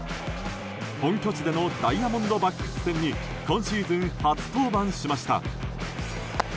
本拠地でのダイヤモンドバックス戦に今シーズン初登板しました。